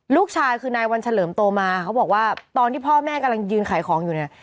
ลูกชายคือนายวันเฉลิมโตมาเขาบอกว่าตอนที่พ่อแม่กำลังยืนขายของอยู่เนี่ย